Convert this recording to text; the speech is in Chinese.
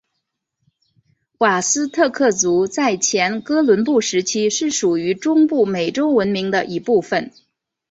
瓦斯特克族在前哥伦布时期是属于中部美洲文明的一部份。